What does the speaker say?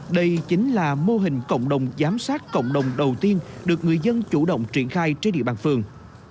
đây chính là mô hình cộng đồng giám sát cộng đồng đầu tiên được người dân chủ động triển khai trên địa bàn phường